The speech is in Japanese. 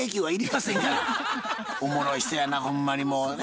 おもろい人やなほんまにもうね。